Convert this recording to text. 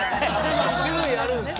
種類あるんすか？